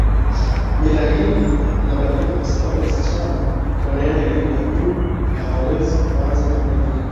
mila hii inabadilika kwa sababu wasichana wanaenda elimu ya juu na hawawezi kuanza famila